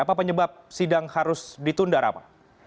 apa penyebab sidang harus ditunda rama